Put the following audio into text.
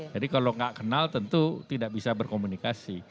jadi kalau gak kenal tentu tidak bisa berkomunikasi